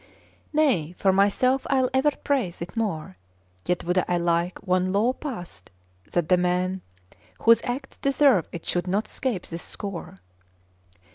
Nay, for myself I'll ever praise it more: Yet would I like one law passed that the man Whose acts deserve it should not scape this score.